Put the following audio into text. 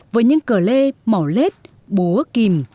với những cờ lê mỏ lết búa kìm